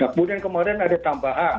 kemudian kemarin ada tambahan